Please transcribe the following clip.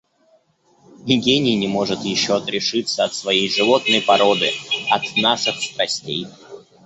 И гений не может еще отрешиться от своей животной породы, от наших страстей.